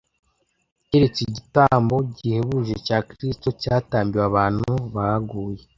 kerets igitambo gihebuje cya Kristo cyatambiw abantu baguye